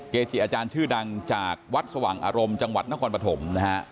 เกจิอาจารย์ชื่อดังจากวัดสว่างอารมณ์จังหวัดนครปฐมนะฮะ